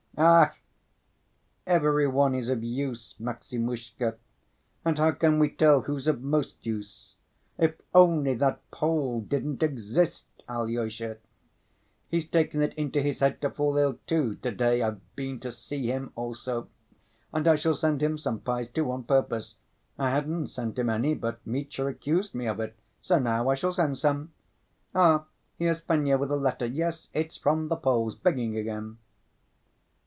"Ech, every one is of use, Maximushka, and how can we tell who's of most use? If only that Pole didn't exist, Alyosha. He's taken it into his head to fall ill, too, to‐day. I've been to see him also. And I shall send him some pies, too, on purpose. I hadn't sent him any, but Mitya accused me of it, so now I shall send some! Ah, here's Fenya with a letter! Yes, it's from the Poles—begging again!"